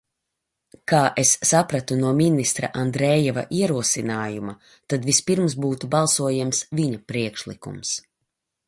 Kā es sapratu no ministra Andrejeva ierosinājuma, tad vispirms būtu balsojams viņa priekšlikums.